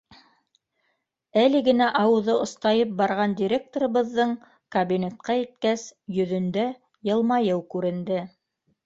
Әле генә ауыҙы остайып барған директорыбыҙҙың кабинетҡа еткәс, йөҙөндә йылмайыу күренде.